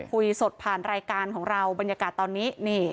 คุยสดผ่านรายการของเราบรรยากาศตอนนี้